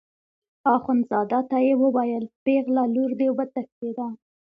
اخندزاده ته یې وویل پېغله لور دې وتښتېده.